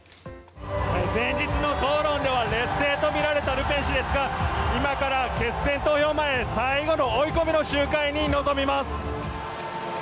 前日の討論では劣勢と見られたルペン氏ですが今から決選投票前最後の追い込みの集会に臨みます。